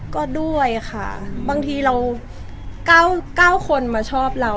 ก็ด้วยค่ะบางทีเรา๙คนมาชอบเรา